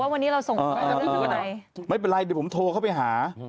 วันนี้เราส่งไปไหนไม่เป็นไรเดี๋ยวผมโทรเข้าไปหา